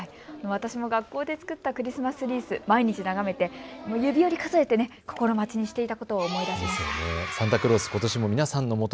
私も学校で作ったクリスマスリース、毎日眺めて指折り数えて心待ちにしていたことを思い出しました。